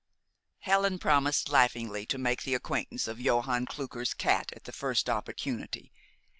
Helen promised laughingly to make the acquaintance of Johann Klucker's cat at the first opportunity.